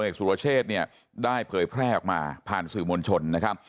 สุรเชษเนี่ยได้เผยแพร่ออกมาผ่านสื่อมวลชนนะครับ